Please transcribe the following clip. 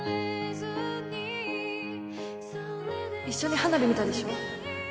一緒に花火見たでしょ？